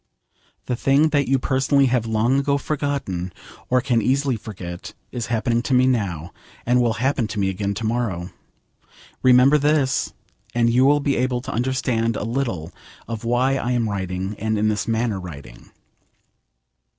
The thing that you personally have long ago forgotten, or can easily forget, is happening to me now, and will happen to me again to morrow. Remember this, and you will be able to understand a little of why I am writing, and in this manner writing.